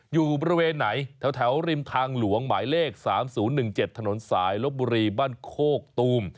อยู่บริเวณไหนแถวริมทางหลวงหมายเลข๓๐๑๗ถนนสายลบบุรีบ้านโคกตูม